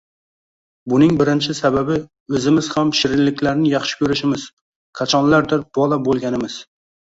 Buning birinchi sababi – o‘zimiz ham shirinliklarni yaxshi ko‘rishimiz, qachonlardir bola bo‘lganimiz